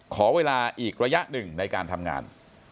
ขอเวลาอีกระยะหนึ่งในการทำงาน